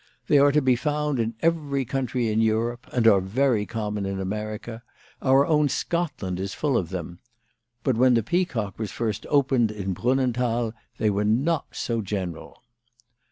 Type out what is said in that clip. They are to be found in every country in Europe, and are very common in America. Our own Scotland is full of them. But when the Peacock was first opened in Brunnenthal they were not so general.